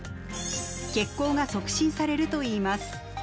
血行が促進されるといいます。